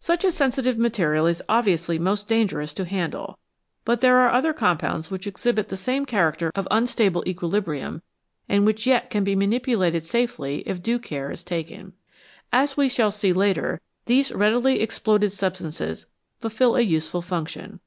Such a sensitive material is obviously most dangerous to handle, but there are other compounds which exhibit the same character of unstable equilibrium, and which yet can be manipulated safely if due care is taken. As we shall see later, these readily exploded substances fulfil a useful function.